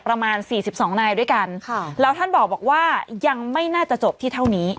ประมาณสี่สิบสองนายด้วยกันค่ะแล้วท่านบอกว่ายังไม่น่าจะจบที่เท่านี้